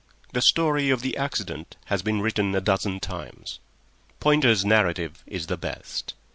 The story of that accident has been written a dozen times. Pointer's narrative is the best.